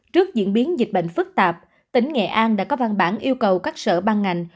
trước diễn biến dịch bệnh phức tạp tỉnh nghệ an đã có văn bản yêu cầu các sở ban ngành